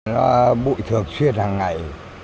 nó bụi thược xuyên hàng ngày